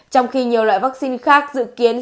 trong khi nhiều loại vắc xin khác dự kiến